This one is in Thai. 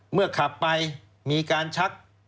เมื่อขับไปมีการชัก